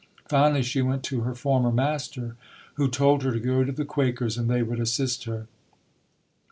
Finally she went to her former master, who told her to go to the Quakers and they would assist her.